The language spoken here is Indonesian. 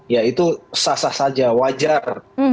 ya itu sah sah saja wajar